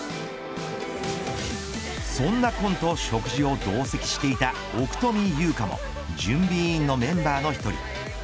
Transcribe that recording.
そんな今と食事を同席していた奥富夕夏も準備委員のメンバーの１人。